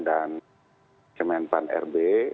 dan kementerian pan rb